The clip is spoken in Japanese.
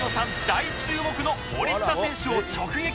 大注目の森下選手を直撃！